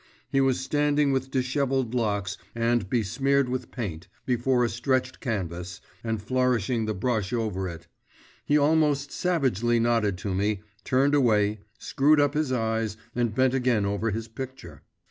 He was standing with dishevelled locks, and besmeared with paint, before a stretched canvas, and flourishing the brush over it; he almost savagely nodded to me, turned away, screwed up his eyes, and bent again over his picture.